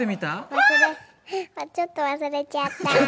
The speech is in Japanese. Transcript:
忘れちょっと忘れちゃったぁ。